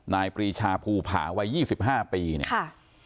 นายปรีชาภูผ่าวัยยี่สิบห้าปีเนี้ยค่ะ